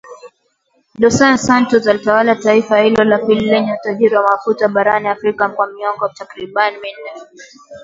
Dos Santos alitawala taifa hilo la pili lenye utajiri wa mafuta barani Afrika kwa miongo takriban minne